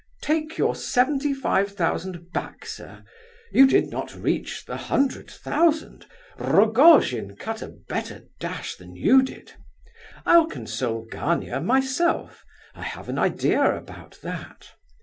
Take your seventy five thousand back, sir; you did not reach the hundred thousand. Rogojin cut a better dash than you did. I'll console Gania myself; I have an idea about that.